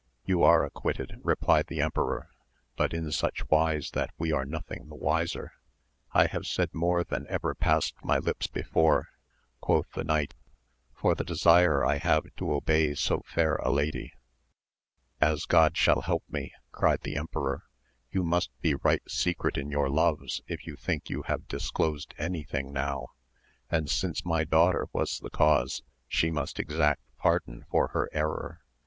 You are acquitted, replied the emperor, but in such wise that we are nothing the wiser. I have said more than ever passed my lips before, quoth the knight, for the desire I have to obey so fair a lady. As God shall help me, cried the emperor, you must be right secret in your loves if you think you have dis closed any thing now, and since my daughter was the cause she must exact pardon for her error.